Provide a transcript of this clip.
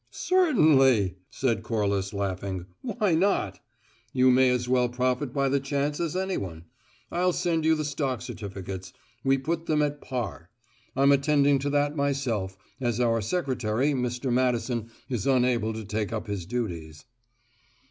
"Certainly," said Corliss, laughing. "Why not? You may as well profit by the chance as any one. I'll send you the stock certificates we put them at par. I'm attending to that myself, as our secretary, Mr. Madison, is unable to take up his duties."